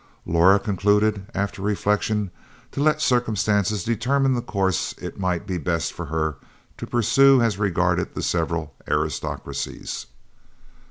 Laura concluded, after reflection, to let circumstances determine the course it might be best for her to pursue as regarded the several aristocracies.